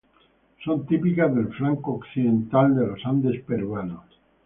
Son típicas del flanco occidental de los Andes peruanos.